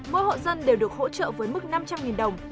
mỗi hộ dân đều được hỗ trợ với mức năm trăm linh đồng